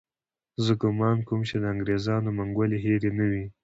زه ګومان کوم چې د انګریزانو منګولې هېرې نه وي.